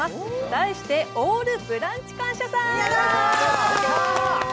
題して「オールブランチ感謝祭」！